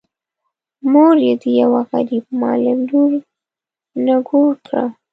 مور یې د یوه غريب معلم لور نږور کړه.